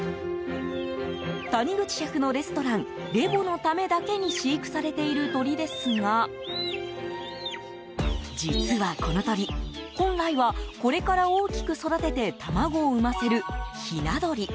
谷口シェフのレストランレヴォのためだけに飼育されている鶏ですが実はこの鶏、本来はこれから大きく育てて卵を産ませる、ひな鶏。